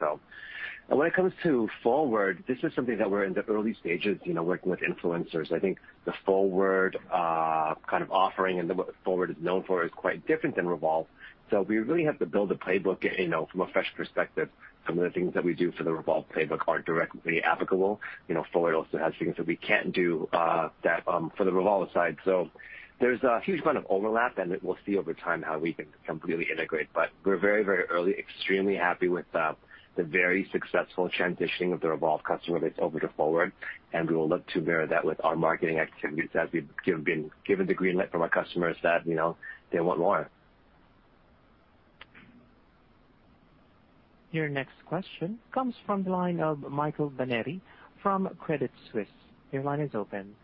Speaker 4: When it comes to FWRD, this is something that we're in the early stages, working with influencers. I think the FWRD offering, and what FWRD is known for, is quite different than Revolve. We really have to build a playbook, from a fresh perspective. Some of the things that we do for the Revolve playbook aren't directly applicable. FWRD also has things that we can't do that for the Revolve side. There's a huge amount of overlap, and we'll see over time how we can completely integrate. We're very early, extremely happy with the very successful transitioning of the Revolve customer base over to FWRD. We will look to mirror that with our marketing activities as we've been given the green light from our customers that they want more.
Speaker 1: Your next question comes from the line of Michael Binetti from Credit Suisse. Your line is open.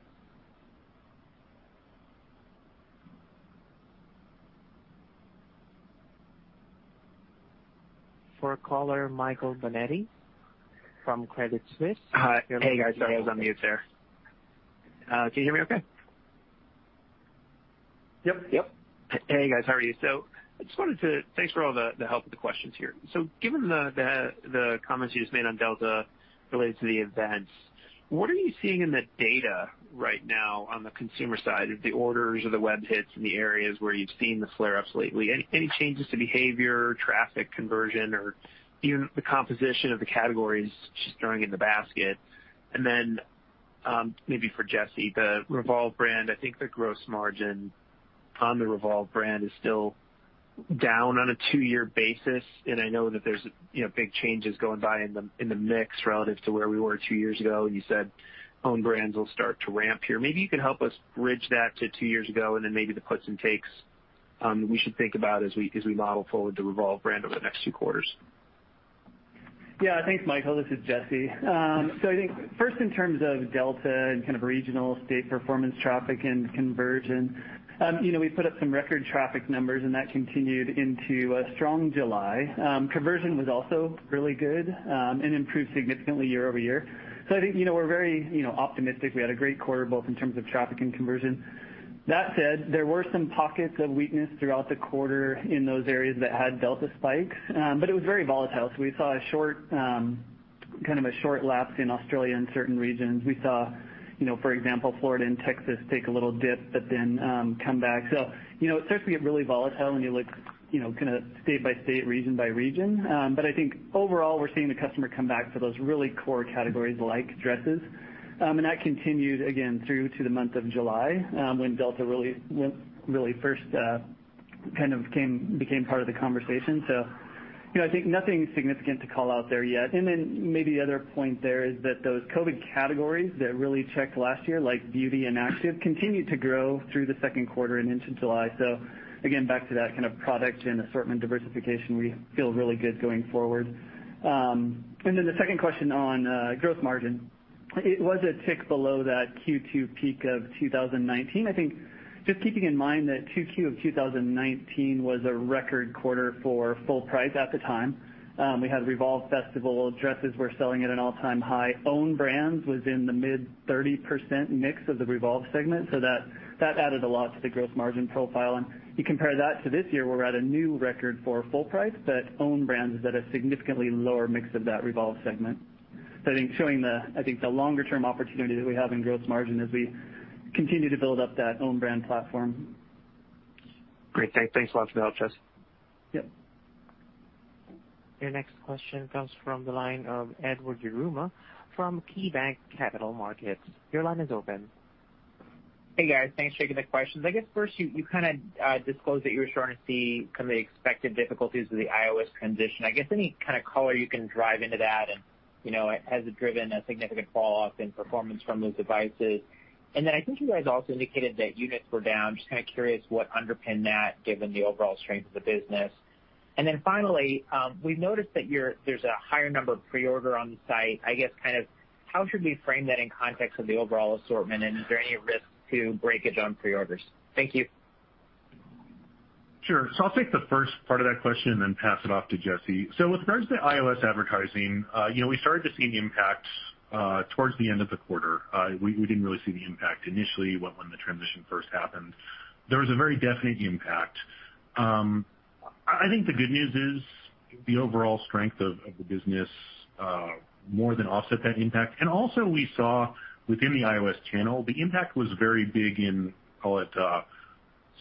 Speaker 9: Hi. Hey, guys. Sorry, I was on mute there. Can you hear me okay?
Speaker 3: Yep.
Speaker 9: Hey, guys. How are you? Just wanted to. Thanks for all the help with the questions here. Given the comments you just made on Delta related to the events, what are you seeing in the data right now on the consumer side of the orders or the web hits in the areas where you've seen the flare-ups lately? Any changes to behavior, traffic conversion, or even the composition of the categories just throwing in the basket? Maybe for Jesse, the Revolve brand. I think the gross margin on the Revolve brand is still down on a two-year basis, and I know that there's big changes going by in the mix relative to where we were two years ago. You said owned brands will start to ramp here. Maybe you can help us bridge that to two years ago, and then maybe the puts and takes we should think about as we model forward the Revolve brand over the next two quarters.
Speaker 5: Yeah. Thanks, Michael. This is Jesse. I think first in terms of Delta and regional state performance, traffic, and conversion. We put up some record traffic numbers, and that continued into a strong July. Conversion was also really good, and improved significantly year-over-year. I think, we're very optimistic. We had a great quarter, both in terms of traffic and conversion. That said, there were some pockets of weakness throughout the quarter in those areas that had Delta spikes. It was very volatile, we saw a short lapse in Australia and certain regions. We saw, for example, Florida and Texas take a little dip, but then come back. It starts to get really volatile when you look state by state, region by region. I think overall, we're seeing the customer come back for those really core categories like dresses. That continued again through to the month of July, when Delta really first became part of the conversation. I think nothing significant to call out there yet. Maybe the other point there is that those COVID categories that really checked last year, like beauty and active, continued to grow through the second quarter and into July. Again, back to that kind of product and assortment diversification, we feel really good going forward. The second question on gross margin. It was a tick below that Q2 peak of 2019. I think just keeping in mind that 2Q of 2019 was a record quarter for full price at the time. We had Revolve Festival, dresses were selling at an all-time high. Owned brands was in the mid 30% mix of the Revolve segment, that added a lot to the gross margin profile. You compare that to this year, we're at a new record for full price, but owned brands is at a significantly lower mix of that Revolve segment. I think showing the longer-term opportunity that we have in gross margin as we continue to build up that owned brand platform.
Speaker 9: Great. Thanks a lot for the help, Jesse.
Speaker 5: Yep.
Speaker 1: Your next question comes from the line of Edward Yruma from KeyBanc Capital Markets. Your line is open.
Speaker 10: Hey, guys. Thanks for taking the questions. I guess first, you disclosed that you were starting to see some of the expected difficulties with the iOS transition. I guess any kind of color you can drive into that, has it driven a significant fall-off in performance from those devices? I think you guys also indicated that units were down. Just kind of curious what underpinned that, given the overall strength of the business. Finally, we've noticed that there's a higher number of pre-order on the site. I guess, how should we frame that in context of the overall assortment, and is there any risk to breakage on pre-orders? Thank you.
Speaker 3: Sure. I'll take the first part of that question and then pass it off to Jesse. As regards to iOS advertising, we started to see the impacts towards the end of the quarter. We didn't really see the impact initially when the transition first happened. There was a very definite impact. I think the good news is the overall strength of the business more than offset that impact. Also we saw within the iOS channel, the impact was very big in, call it,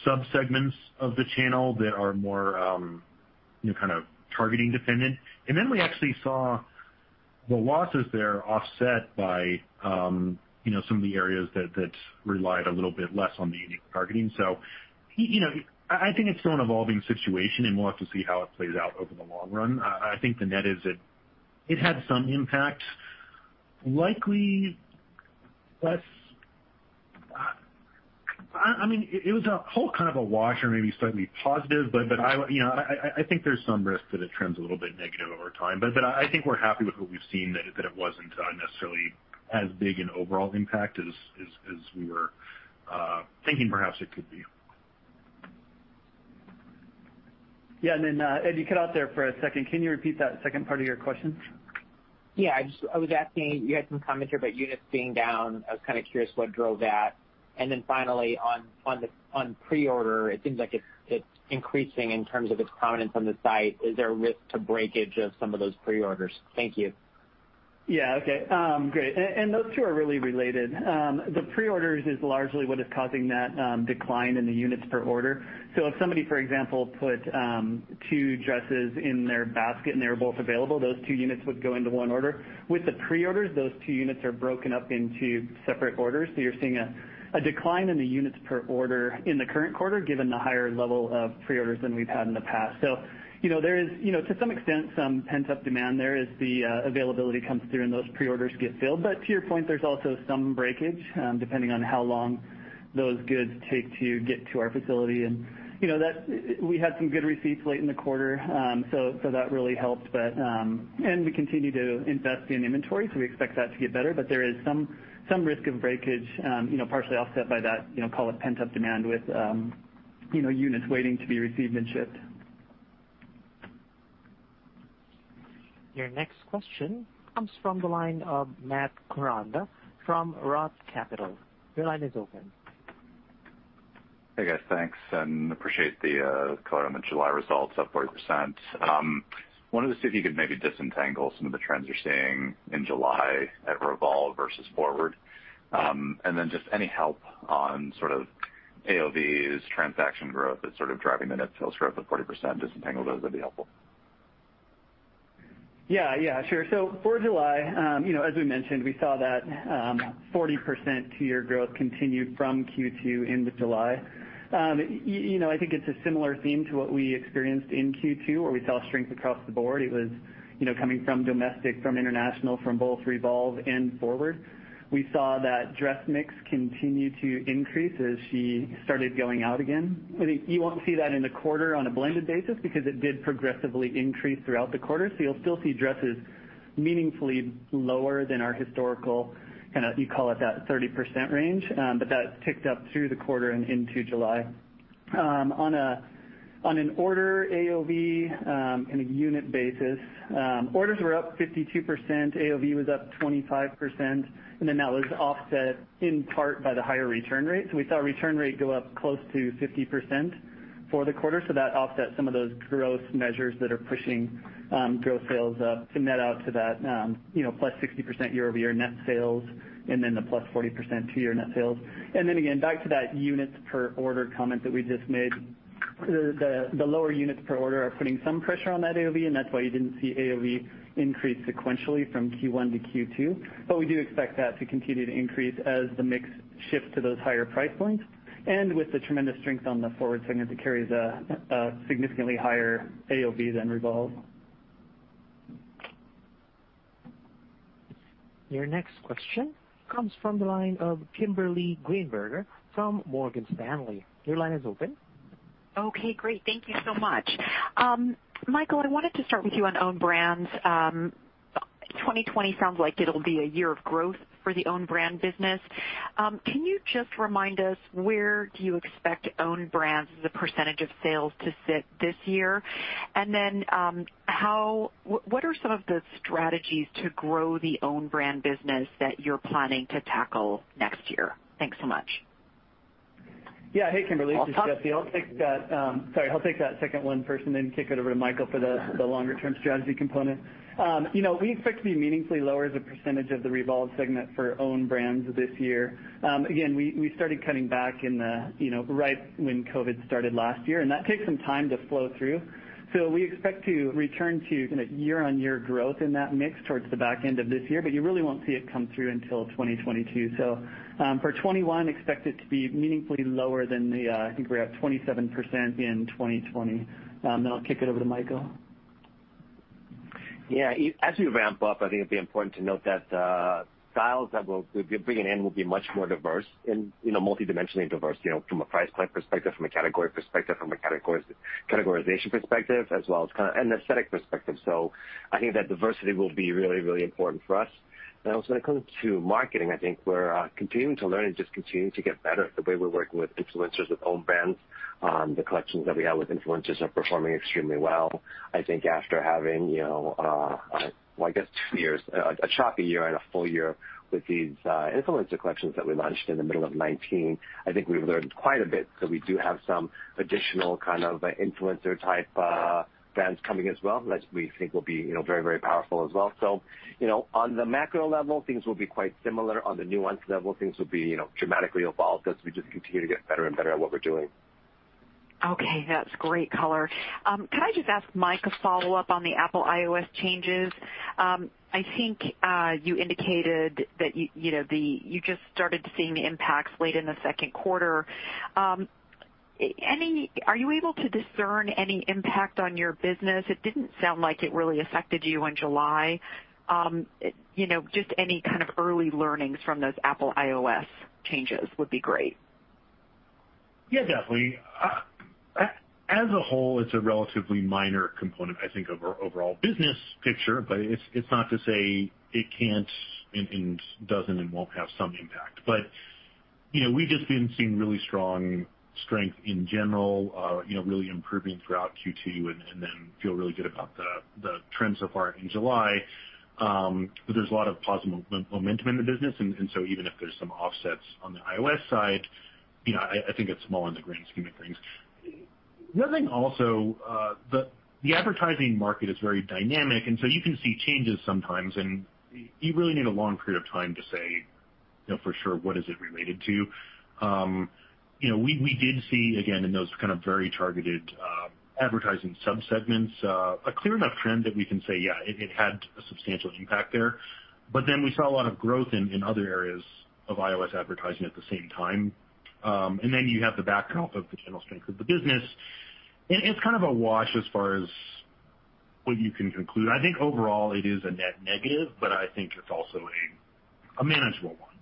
Speaker 3: sub-segments of the channel that are more targeting dependent. We actually saw the losses there offset by some of the areas that relied a little bit less on the unique targeting. I think it's still an evolving situation, and we'll have to see how it plays out over the long run. I think the net is that it had some impact, likely less. It was a whole kind of a wash or maybe slightly positive, I think there's some risk that it trends a little bit negative over time. I think we're happy with what we've seen, that it wasn't necessarily as big an overall impact as we were thinking perhaps it could be.
Speaker 5: Yeah. Ed, you cut out there for a second. Can you repeat that second part of your question?
Speaker 10: Yeah. I was asking, you had some comments here about units being down. I was kind of curious what drove that. Finally, on pre-order, it seems like it's increasing in terms of its prominence on the site. Is there a risk to breakage of some of those pre-orders? Thank you.
Speaker 5: Yeah. Okay. Great. Those two are really related. The pre-orders is largely what is causing that decline in the units per order. If somebody, for example, put two dresses in their basket, and they were both available, those two units would go into one order. With the pre-orders, those two units are broken up into separate orders. You're seeing a decline in the units per order in the current quarter, given the higher level of pre-orders than we've had in the past. There is, to some extent, some pent-up demand there as the availability comes through, and those pre-orders get filled. To your point, there's also some breakage, depending on how long those goods take to get to our facility. We had some good receipts late in the quarter, so that really helped. We continue to invest in inventory, so we expect that to get better, but there is some risk of breakage, partially offset by that, call it pent-up demand with units waiting to be received and shipped.
Speaker 1: Your next question comes from the line of Matt Koranda from ROTH Capital. Your line is open.
Speaker 11: Hey, guys. Thanks, and appreciate the color on the July results, up 40%. Wanted to see if you could maybe disentangle some of the trends you're seeing in July at Revolve versus FWRD. Just any help on sort of AOVs, transaction growth, that's sort of driving the net sales growth of 40%, disentangle those would be helpful.
Speaker 5: Yeah. Sure. For July, as we mentioned, we saw that 40% two-year growth continued from Q2 into July. I think it's a similar theme to what we experienced in Q2, where we saw strength across the board. It was coming from domestic, from international, from both Revolve and FWRD. We saw that dress mix continue to increase as she started going out again. You won't see that in the quarter on a blended basis because it did progressively increase throughout the quarter. You'll still see dresses meaningfully lower than our historical, you call it that 30% range. That ticked up through the quarter and into July. On an order AOV, in a unit basis, orders were up 52%, AOV was up 25%, and then that was offset in part by the higher return rate. We saw return rate go up close to 50% for the quarter. That offset some of those growth measures that are pushing growth sales up to net out to that, +60% year-over-year net sales and then the +40% two-year net sales. Again, back to that units per order comment that we just made, the lower units per order are putting some pressure on that AOV, and that's why you didn't see AOV increase sequentially from Q1 to Q2. We do expect that to continue to increase as the mix shifts to those higher price points. With the tremendous strength on the FWRD segment that carries a significantly higher AOV than Revolve.
Speaker 1: Your next question comes from the line of Kimberly Greenberger from Morgan Stanley.
Speaker 12: Okay, great. Thank you so much. Michael, I wanted to start with you on owned brands. 2020 sounds like it'll be a year of growth for the owned brand business. Can you just remind us where do you expect owned brands as a percentage of sales to sit this year? Then, what are some of the strategies to grow the owned brand business that you're planning to tackle next year? Thanks so much.
Speaker 5: Yeah. Hey, Kimberly. This is Jesse. Sorry. I'll take that second one first, and then kick it over to Michael for the longer-term strategy component. We expect to be meaningfully lower as a percentage of the Revolve segment for owned brands this year. Again, we started cutting back right when COVID started last year, and that takes some time to flow through. We expect to return to year-over-year growth in that mix towards the back end of this year, but you really won't see it come through until 2022. For 2021, expect it to be meaningfully lower than the, I think we're at 27% in 2020. I'll kick it over to Michael.
Speaker 4: Yeah. As we ramp-up, I think it'd be important to note that styles that we'll be bringing in will be much more diverse, multidimensionally diverse, from a price point perspective, from a category perspective, from a categorization perspective, as well as an aesthetic perspective. I think that diversity will be really, really important for us. Also when it comes to marketing, I think we're continuing to learn and just continuing to get better at the way we're working with influencers, with owned brands. The collections that we have with influencers are performing extremely well. I think after having, I guess two years, a choppy year and a full year with these influencer collections that we launched in the middle of 2019, I think we've learned quite a bit. We do have some additional kind of influencer type brands coming as well, that we think will be very powerful as well. On the macro level, things will be quite similar. On the nuance level, things will be dramatically evolved as we just continue to get better and better at what we're doing.
Speaker 12: That's great color. Could I just ask Mike a follow-up on the Apple iOS changes? I think you indicated that you just started seeing the impacts late in the second quarter. Are you able to discern any impact on your business? It didn't sound like it really affected you in July. Just any kind of early learnings from those Apple iOS changes would be great.
Speaker 3: Yeah, definitely. As a whole, it's a relatively minor component, I think, of our overall business picture, but it's not to say it can't and doesn't and won't have some impact. We've just been seeing really strong strength in general, really improving throughout Q2, and then feel really good about the trends so far in July. There's a lot of positive momentum in the business, and so even if there's some offsets on the iOS side, I think it's small in the grand scheme of things. The other thing also, the advertising market is very dynamic, and so you can see changes sometimes, and you really need a long period of time to say, for sure, what is it related to. We did see, again, in those kind of very targeted advertising subsegments, a clear enough trend that we can say, yeah, it had a substantial impact there. We saw a lot of growth in other areas of iOS advertising at the same time. You have the backdrop of the general strength of the business. It's kind of a wash as far as what you can conclude. I think overall it is a net negative, but I think it's also a manageable one.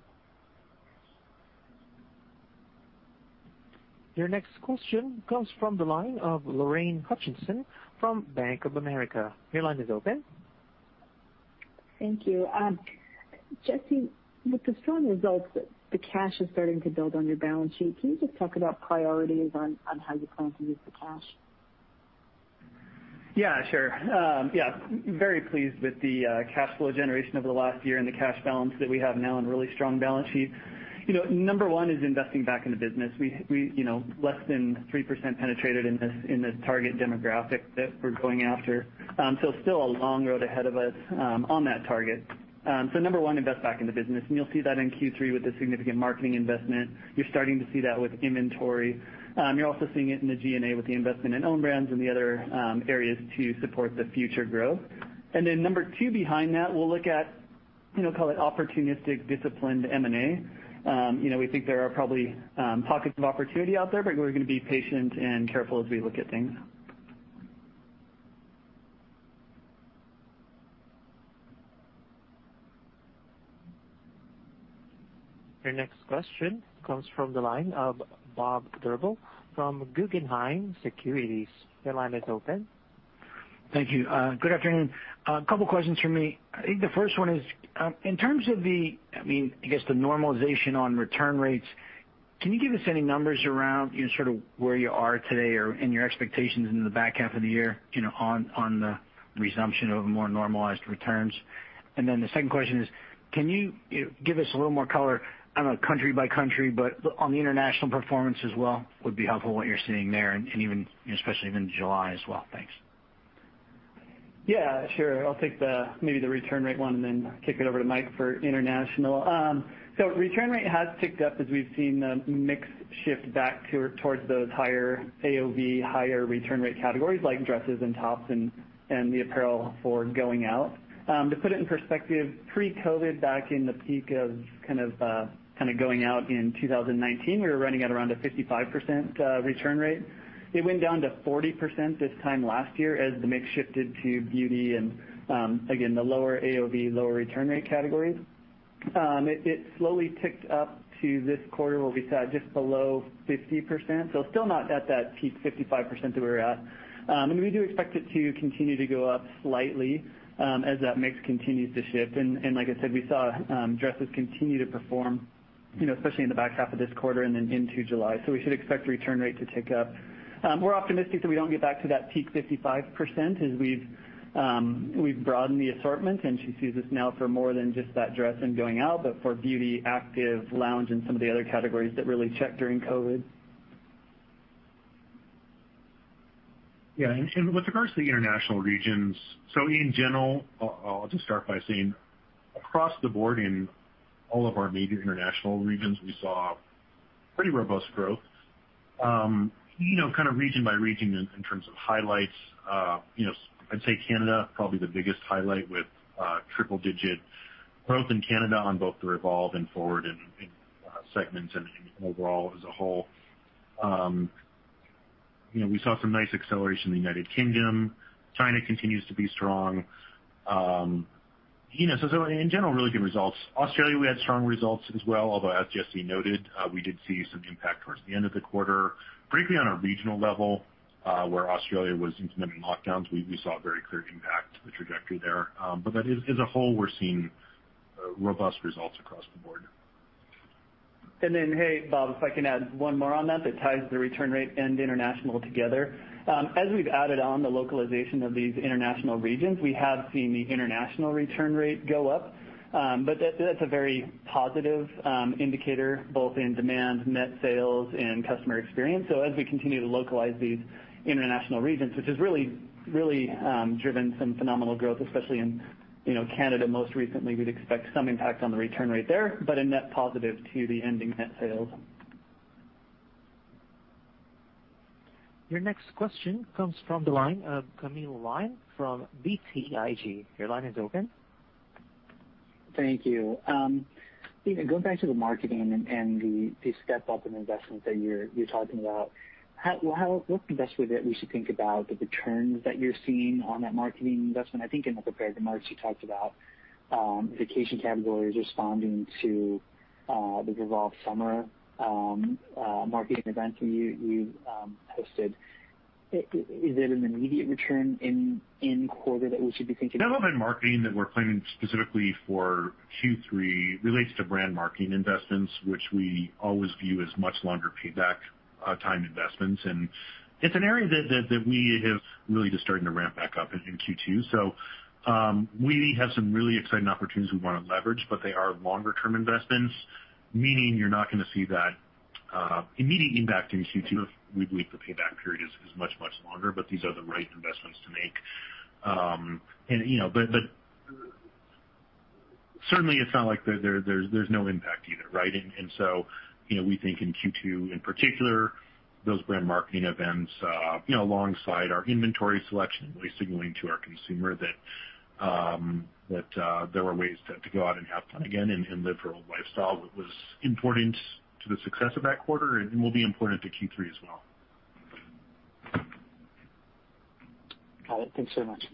Speaker 1: Your next question comes from the line of Lorraine Hutchinson from Bank of America. Your line is open.
Speaker 13: Thank you. Jesse, with the strong results, the cash is starting to build on your balance sheet. Can you just talk about priorities on how you plan to use the cash?
Speaker 5: Yeah, sure. Very pleased with the cash flow generation over the last year and the cash balance that we have now, and a really strong balance sheet. Number one is investing back in the business. Less than 3% penetrated in this target demographic that we're going after. Still a long road ahead of us on that target. Number one, invest back in the business, and you'll see that in Q3 with the significant marketing investment. You're starting to see that with inventory. You're also seeing it in the G&A with the investment in own brands and the other areas to support the future growth. Number two behind that, we'll look at, call it opportunistic, disciplined M&A. We think there are probably pockets of opportunity out there, but we're going to be patient and careful as we look at things.
Speaker 1: Your next question comes from the line of Bob Drbul from Guggenheim Securities. Your line is open.
Speaker 14: Thank you. Good afternoon. A couple questions from me. I think the first one is, in terms of the, I guess the normalization on return rates, can you give us any numbers around sort of where you are today and your expectations in the back half of the year on the resumption of more normalized returns? The second question is, can you give us a little more color on a country by country, but on the international performance as well, would be helpful, what you're seeing there, and especially even July as well? Thanks.
Speaker 5: Yeah, sure. I'll take maybe the return rate one and then kick it over to Mike for international. Return rate has ticked up as we've seen the mix shift back towards those higher AOV, higher return rate categories like dresses and tops and the apparel for going out. To put it in perspective, pre-COVID, back in the peak of kind of going out in 2019, we were running at around a 55% return rate. It went down to 40% this time last year as the mix shifted to beauty and, again, the lower AOV, lower return rate categories. It slowly ticked up to this quarter where we saw just below 50%. Still not at that peak 55% that we were at. We do expect it to continue to go up slightly as that mix continues to shift. Like I said, we saw dresses continue to perform, especially in the back half of this quarter and then into July. We should expect return rate to tick up. We're optimistic that we don't get back to that peak 55% as we've broadened the assortment, and she sees us now for more than just that dress and going out, but for beauty, active, lounge, and some of the other categories that really checked during COVID.
Speaker 3: With regards to the international regions. In general, I'll just start by saying across the board in all of our major international regions, we saw pretty robust growth. Region by region in terms of highlights, I'd say Canada, probably the biggest highlight with triple-digit growth in Canada on both the Revolve and FWRD segments and overall as a whole. We saw some nice acceleration in the United Kingdom. China continues to be strong. In general, really good results. Australia, we had strong results as well, although as Jesse noted, we did see some impact towards the end of the quarter, particularly on a regional level, where Australia was implementing lockdowns. We saw a very clear impact to the trajectory there. As a whole, we're seeing robust results across the board.
Speaker 5: Bob, if I can add one more on that ties the return rate and international together. As we've added on the localization of these international regions, we have seen the international return rate go up. That's a very positive indicator, both in demand, net sales, and customer experience. As we continue to localize these international regions, which has really driven some phenomenal growth, especially in Canada most recently, we'd expect some impact on the return rate there, but a net positive to the ending net sales.
Speaker 1: Your next question comes from the line of Camilo Lyon from BTIG. Your line is open.
Speaker 15: Thank you. Going back to the marketing and the step up in investments that you're talking about, what's the best way that we should think about the returns that you're seeing on that marketing investment? I think in the prepared remarks, you talked about vacation categories responding to the Revolve Festival that you hosted. Is it an immediate return in quarter that we should be considering?
Speaker 3: Development marketing that we're planning specifically for Q3 relates to brand marketing investments, which we always view as much longer payback time investments. It's an area that we have really just starting to ramp back up in Q2. We have some really exciting opportunities we want to leverage, but they are longer-term investments, meaning you're not going to see that immediate impact in Q2. We believe the payback period is much, much longer, but these are the right investments to make. Certainly, it's not like there's no impact either, right? We think in Q2 in particular, those brand marketing events, alongside our inventory selection, really signaling to our consumer that there were ways to go out and have fun again and live your old lifestyle was important to the success of that quarter and will be important to Q3 as well.
Speaker 15: Got it. Thanks so much.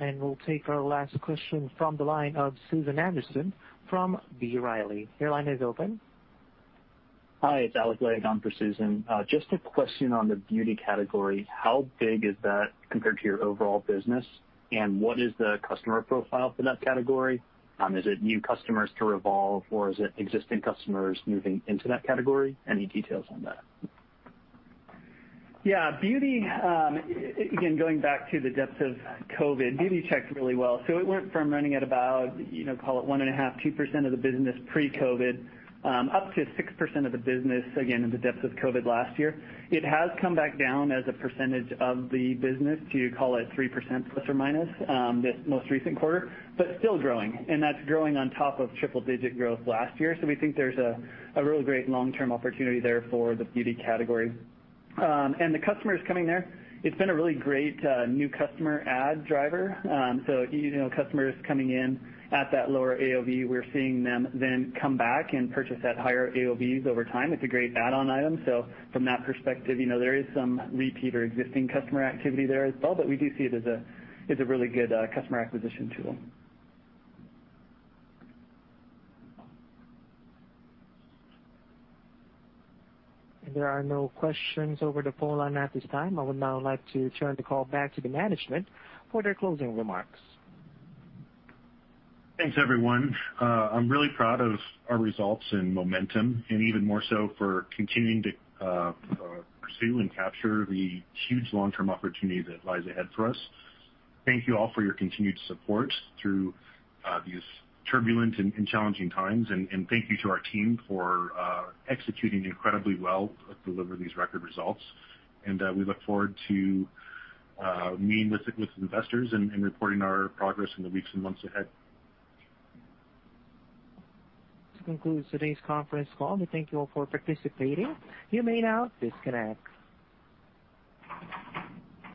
Speaker 1: We'll take our last question from the line of Susan Anderson from B. Riley. Your line is open.
Speaker 16: Hi, it's Alec Legg for Susan. Just a question on the beauty category, how big is that compared to your overall business, and what is the customer profile for that category? Is it new customers to Revolve, or is it existing customers moving into that category? Any details on that?
Speaker 5: Yeah. Again, going back to the depths of COVID, beauty checked really well. It went from running at about, call it 1.5%, 2% of the business pre-COVID, up to 6% of the business, again, in the depths of COVID last year. It has come back down as a percentage of the business to, call it 3%±, this most recent quarter, still growing. That's growing on top of triple-digit growth last year. We think there's a really great long-term opportunity there for the beauty category. The customers coming there, it's been a really great new customer add driver. Customers coming in at that lower AOV, we're seeing them then come back and purchase at higher AOVs over time. It's a great add-on item. From that perspective, there is some repeat or existing customer activity there as well. We do see it as a really good customer acquisition tool.
Speaker 1: There are no questions over the phone line at this time. I would now like to turn the call back to the management for their closing remarks.
Speaker 3: Thanks, everyone. I'm really proud of our results and momentum, and even more so for continuing to pursue and capture the huge long-term opportunity that lies ahead for us. Thank you all for your continued support through these turbulent and challenging times. Thank you to our team for executing incredibly well to deliver these record results. We look forward to meeting with investors and reporting our progress in the weeks and months ahead.
Speaker 1: This concludes today's conference call. We thank you all for participating. You may now disconnect.